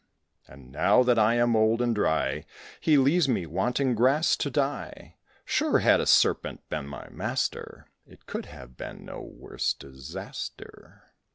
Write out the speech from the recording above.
And now that I am old and dry, He leaves me, wanting grass, to die; Sure, had a Serpent been my master, It could have been no worse disaster."